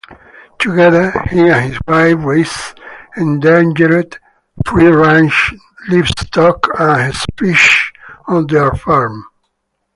Together he and his wife raised endangered free-ranged livestock and fish on their farm.